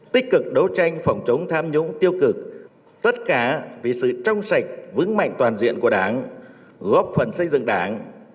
tích cực đấu tranh phòng chống tham nhũng tiêu cực tất cả vì sự trong sạch vững mạnh toàn diện của đảng góp phần xây dựng đảng